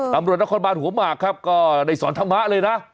ตำรวจนักคนนคอร์มานหัวมากครับก็ได้สอนทั้งมะเลยนะ